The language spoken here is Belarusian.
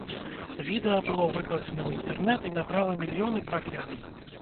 Відэа было выкладзена ў інтэрнэт і набрала мільёны праглядаў.